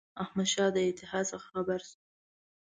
احمدشاه د اتحاد څخه خبر شو.